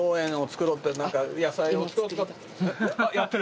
やってる？